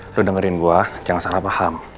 lalu dengerin gue jangan salah paham